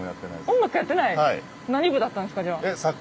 音楽やってない？